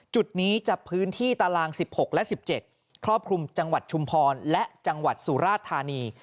จุดนี้จะพื้นที่ตาราง๑๖และ๑๗ครอบคลุมจังหวัดชุมพรและจังหวัดสุราชธานี